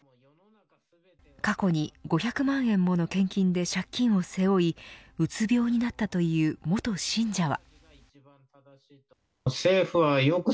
過去に、５００万円もの献金で借金を背負いうつ病になったという元信者は。